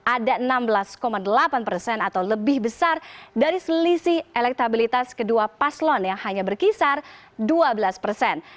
ada enam belas delapan persen atau lebih besar dari selisih elektabilitas kedua paslon yang hanya berkisar dua belas persen